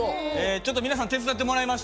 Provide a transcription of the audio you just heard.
ちょっと皆さん手伝ってもらいまして。